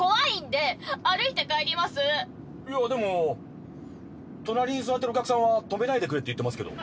でも隣に座ってるお客さんは止めないでくれって言ってますけど。